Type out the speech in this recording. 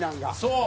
そう！